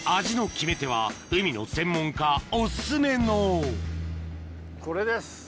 味の決め手は海の専門家お薦めのこれです！